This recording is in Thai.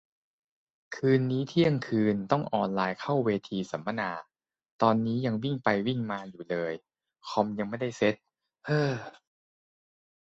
คืนนี้ เที่ยงคืน ต้องออนไลน์เข้าเวทีสัมมนา ตอนนี้ยังวิ่งไปวิ่งมาอยู่เลย คอมยังไม่ได้เซ็ต เฮ่อ